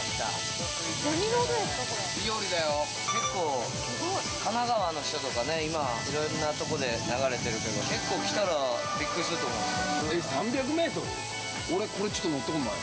結構、神奈川の人とか今、いろいろなところで流れているけど結構、来たらビックリすると思います。